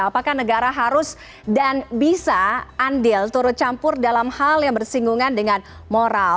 apakah negara harus dan bisa andil turut campur dalam hal yang bersinggungan dengan moral